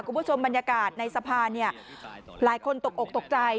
คุณผู้ชมบรรยากาศในสะพานหลายคนตกอกตกใจ